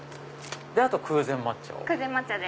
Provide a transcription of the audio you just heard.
あと空禅抹茶を。